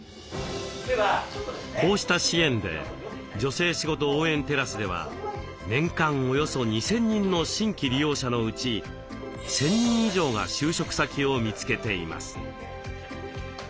こうした支援で女性しごと応援テラスでは年間およそ２，０００人の新規利用者のうち１，０００人以上が就職先を見つけています。